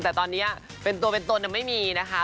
แต่ตอนนี้เป็นตัวเป็นตนไม่มีนะคะ